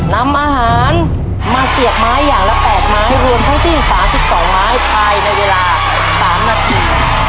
นำอาหารมาเสียบไม้อย่างละ๘ไม้รวมทั้งสิ้น๓๒ไม้ภายในเวลา๓นาที